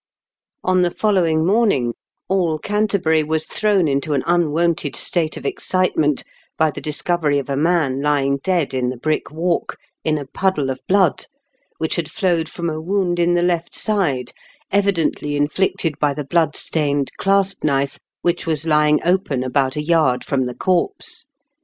On the following morning all Canterbury was thrown into an unwonted state of excite ment by the discovery of a man lying dead in the Brick Walk, in ar puddle of blood, which had flowed from a wound in the left side, evidently inflicted by the blood stained clasp knife which was lying open about a yard from the corpse.